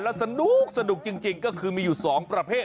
และสนุกจริงคือมีอยู่อีกสองประเภท